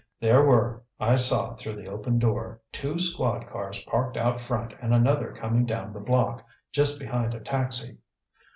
There were, I saw through the open door, two squad cars parked out front and another coming down the block, just behind a taxi.